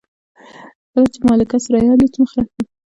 کله چې ملکه ثریا لوڅ مخ راځي.